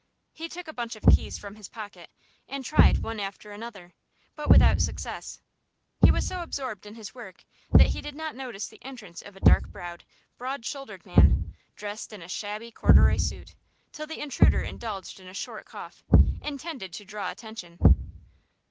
He took a bunch of keys from his pocket, and tried one after another, but without success. He was so absorbed in his work that he did not notice the entrance of a dark browed, broad shouldered man, dressed in a shabby corduroy suit, till the intruder indulged in a short cough, intended to draw attention.